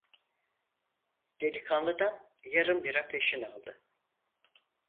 Delikanlıdan yarım lira peşin aldı.